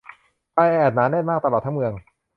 ความแออัดหนาแน่นมากตลอดทั้งเมือง